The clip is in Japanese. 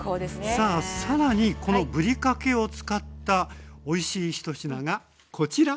さあ更にこのぶりかけを使ったおいしいひと品がこちら。